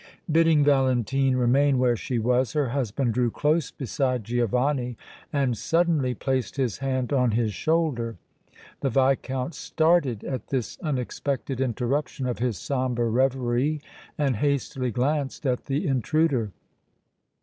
Bidding Valentine remain where she was, her husband drew close beside Giovanni and suddenly placed his hand on his shoulder. The Viscount started at this unexpected interruption of his sombre reverie and hastily glanced at the intruder.